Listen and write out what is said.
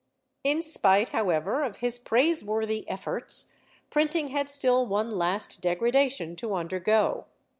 In spite, however, of his praiseworthy efforts, printing had still one last degradation to undergo.